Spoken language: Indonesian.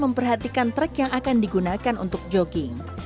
jangan lupa untuk mencari trek yang akan digunakan untuk jogging